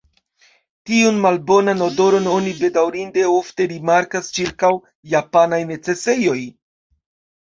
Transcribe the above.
Tiun malbonan odoron oni bedaŭrinde ofte rimarkas ĉirkaŭ japanaj necesejoj.